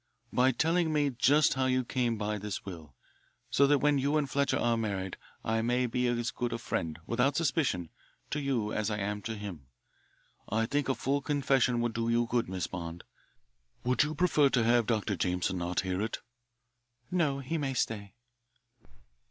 "By telling me just how you came by this will, so that when you and Fletcher are married I may be as good a friend, without suspicion, to you as I am to him. I think a full confession would do you good, Miss Bond. Would you prefer to have Dr. Jameson not hear it?" "No, he may stay."